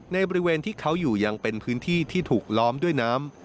บริเวณที่เขาอยู่ยังเป็นพื้นที่ที่ถูกล้อมด้วยน้ำ